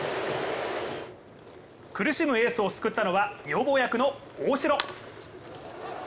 苦しむエースを救ったのは女房役の大城。